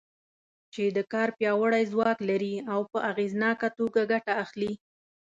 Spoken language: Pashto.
چې د کار پیاوړی ځواک لري او په اغېزناکه توګه ګټه اخلي.